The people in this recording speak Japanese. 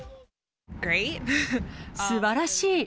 すばらしい。